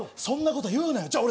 そんなこと言うなよ。